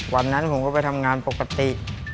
วันนั้นผมก็ไปทำงานปกติ